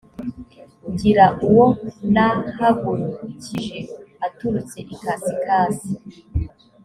ngira uwo nahagurukije aturutse ikasikazi